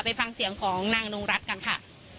ไปฟังเสียงของนางนงรัฐกันค่ะ